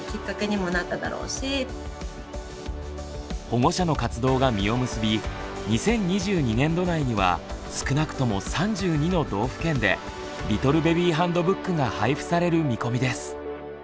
保護者の活動が実を結び２０２２年度内には少なくとも３２の道府県でリトルベビーハンドブックが配布される見込みです。